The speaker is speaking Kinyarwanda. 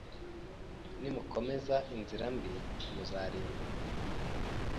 Nimukomeza inzira mbi muza rimbuka